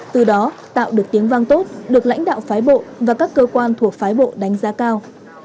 từ đó tạo được tiếng vang tốt được lãnh đạo phái bộ và các cơ quan thuộc phái bộ đánh giá cao